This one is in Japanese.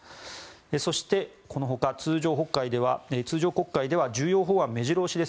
そして、このほか通常国会では重要法案、目白押しです。